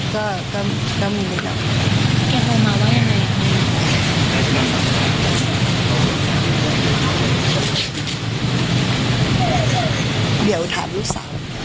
มาตั้งแต่เมื่อวานแล้วฮะคุยคุยกัน